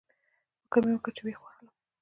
فکر مې وکړ چې ویې خوړلم